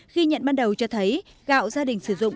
khi nhận ban đầu cho thấy gạo gia đình sử dụng